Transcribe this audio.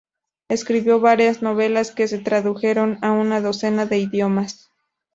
Escribió varias novelas que se tradujeron a una docena de idiomas.